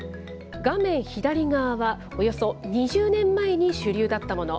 画面左側は、およそ２０年前に主流だったもの。